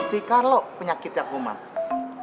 sikar lo penyakit yakuman